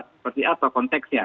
seperti apa konteksnya